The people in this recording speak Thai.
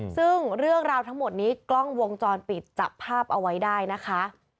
ซึ่งเรื่องราวทั้งหมดนี้กล้องวงจรปิดจับภาพเอาไว้ได้นะคะ